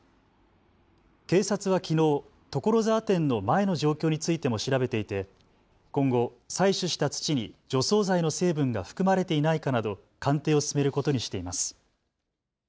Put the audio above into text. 警察はきのう所沢店の前の状況についても調べていて今後、採取した土に除草剤の成分が含まれていないかなど鑑定を進めることにしています。